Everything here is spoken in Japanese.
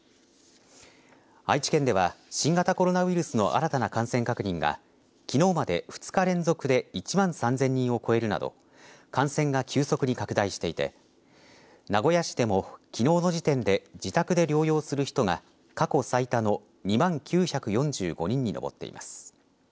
愛知県では新型コロナウイルスの新たな感染確認がきのうまで２日連続で１万３０００人を超えるなど感染が急速に拡大していて名古屋市でも、きのうの時点で自宅で療養する人が過去最多の２万９４５人に上っています。